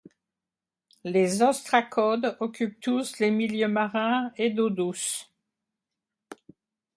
Les ostracodes occupent tous les milieux marins et d'eau douce.